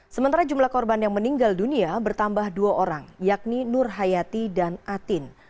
sementara jumlah korban yang meninggal dunia bertambah dua orang yakni nur hayati dan atin